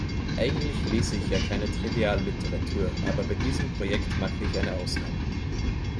Eigentlich lese ich ja keine Trivialliteratur, aber bei diesem Projekt mache ich eine Ausnahme.